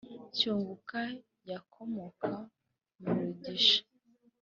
cyunguka yakomoka mu rugisha.